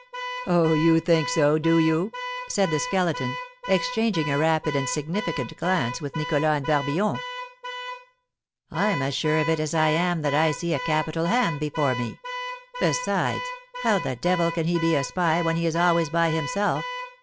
"Oh, you think so, do you?" said the Skeleton, exchanging a rapid and significant glance with Nicholas and Barbillon. "I'm as sure of it as I am that I see a capital ham before me. Besides, how the devil can he be a spy when he is always by himself?